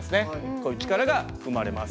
こういう力が生まれます。